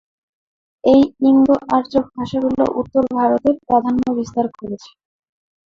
এই ইন্দো-আর্য ভাষাগুলো উত্তর ভারতে প্রাধান্য বিস্তার করেছে।